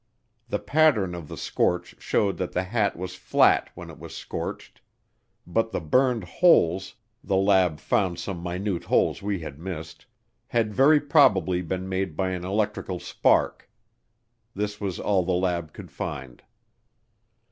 The pattern of the scorch showed that the hat was flat when it was scorched, but the burned holes the lab found some minute holes we had missed had very probably been made by an electrical spark. This was all the lab could find.